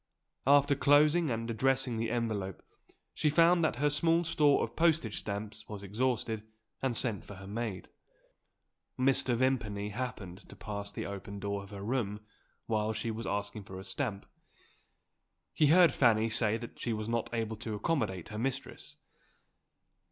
After closing and addressing the envelope, she found that her small store of postage stamps was exhausted, and sent for her maid. Mr. Vimpany happened to pass the open door of her room, while she was asking for a stamp; he heard Fanny say that she was not able to accommodate her mistress.